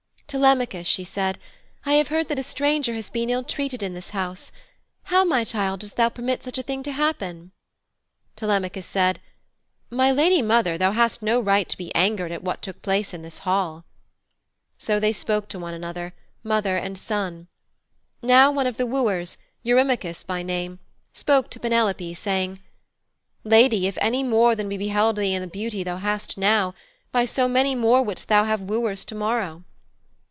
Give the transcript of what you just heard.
'Telemachus,' she said, 'I have heard that a stranger has been ill treated in this house. How, my child, didst thou permit such a thing to happen?' Telemachus said, 'My lady mother, thou hast no right to be angered at what took place in this hall.' So they spoke to one another, mother and son. Now one of the wooers, Eurymachus by name, spoke to Penelope, saying: 'Lady, if any more than we beheld thee in the beauty thou hast now, by so many more wouldst thou have wooers to morrow.'